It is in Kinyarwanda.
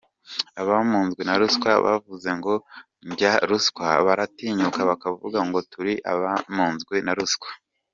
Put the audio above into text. Abamunzwe na ruswa bavuze ngo ndya ruswa, baratinyuka bakavuga ngo turi abamunzwe na ruswa.